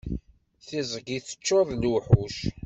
Tiẓgi teččur d luḥuc.